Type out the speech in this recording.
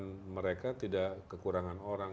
supaya masa depan mereka tidak kekurangan orang